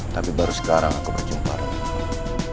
tapi baru sekarang aku berjumpa lagi